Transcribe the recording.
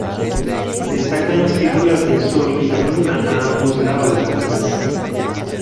Destacan las figuras del sol y la luna a ambos lados de la cruz.